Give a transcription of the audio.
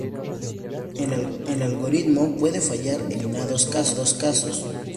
El algoritmo puede fallar en determinados casos.